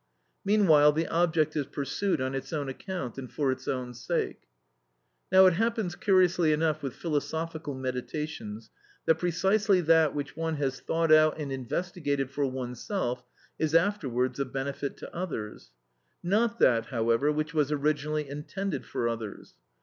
Meanwhile the object is pursued on its own account and for its own sake. Now it happens curiously enough with philosophical meditations, that precisely that which one has thought out and investigated for oneself, is afterwards of benefit to others; not that, however, which was originally intended for others.